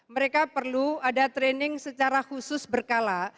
mereka perlu ada training secara khusus berkala